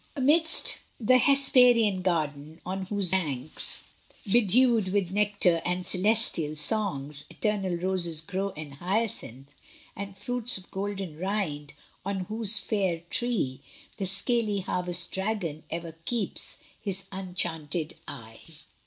Amidst th' Hesperian garden, on whose banks, Bedewed with nectar and celestial songs, Eternal roses grow and hyacinth, And fruits of golden rind, on whose faire tree, The scaly harvest dragon ever keeps His unenchanted eye.